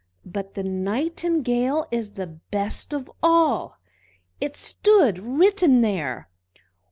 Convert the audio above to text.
"But the Nightingale is the best of all!" it stood written there.